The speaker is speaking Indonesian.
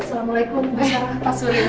assalamualaikum mas sarah pak surya